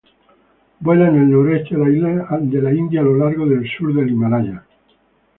Vuela en el noroeste de la India a lo largo del sur Himalaya.